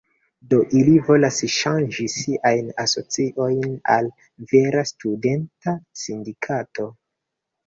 Do ili volas ŝanĝi sian asocion al vera studenta sindikato.